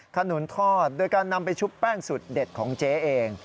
ขนุนทอดโดยการนำไปชุบแป้งสุดเด็ดของเจ๊เอง